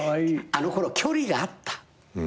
あのころ距離があった。